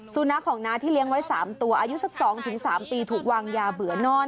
สุนัขของน้าที่เลี้ยงไว้๓ตัวอายุสัก๒๓ปีถูกวางยาเบื่อนอน